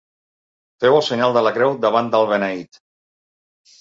Feu el senyal de la creu davant del beneit.